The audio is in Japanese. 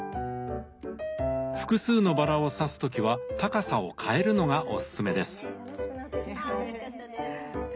複数のバラを挿す時は高さを変えるのがおすすめです。